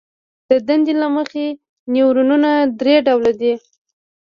د دندې له مخې نیورونونه درې ډوله دي.